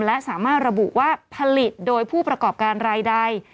และสามารถระบุว่าผลิตโดยผู้ประกอบการรายใด